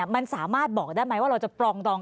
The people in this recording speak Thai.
มันสามารถบอกได้ไหมว่าเราจะปรองดอง